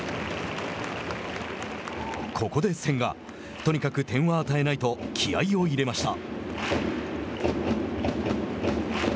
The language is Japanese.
ここで千賀とにかく点を与えないと気合いを入れました。